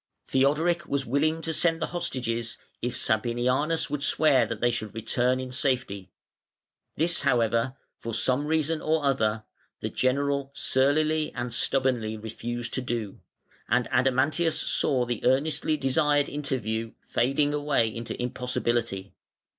Theodoric was willing to send the hostages if Sabinianus would swear that they should return in safety. This, however, for some reason or other, the general surlily and stubbornly refused to do, and Adamantius saw the earnestly desired interview fading away into impossibility.